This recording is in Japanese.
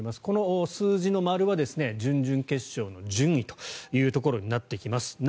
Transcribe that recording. この数字の丸は準々決勝の順位というところになってきます。